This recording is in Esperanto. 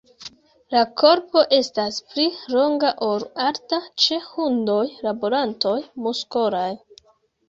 La korpo estas pli longa ol alta, ĉe hundoj laborantoj muskolaj.